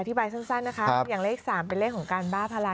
สั้นนะคะอย่างเลข๓เป็นเลขของการบ้าทลาย